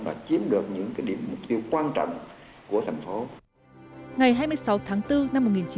và chiếm được những cái điểm mục tiêu quan trọng của thành phố